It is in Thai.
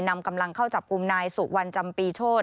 นำกำลังเข้าจับกุมนายสู่วันจำปีโชฐ